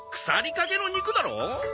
腐りかけの肉だろ？